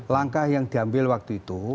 langkah yang diambil waktu itu